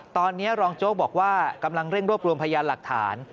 ตอนนี้รองโจ๊กบอกว่ากำลังเร่งรวบรวมพยานหลักฐาน